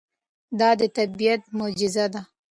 دا د طبیعت معجزه ده.